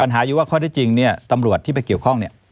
ปัญหาอยู่ว่าข้อได้จริงตำรวจที่ไปเกี่ยวข้อง